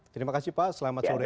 terima kasih pak selamat sore